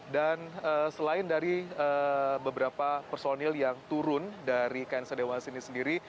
dan selain dari beberapa personil yang turun dari kn sadewa ini sendiri